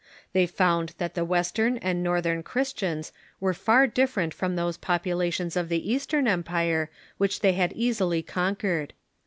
They found that the West ern and Northern Christians were far different from those populations of the Eastern Empire which they had easily con quered.